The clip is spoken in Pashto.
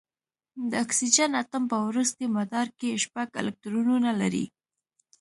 د اکسیجن اتوم په وروستي مدار کې شپږ الکترونونه لري.